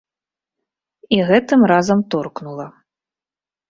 І гэтым разам торкнула.